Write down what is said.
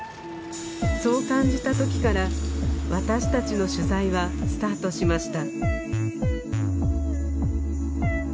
そう感じたときから私たちの取材はスタートしました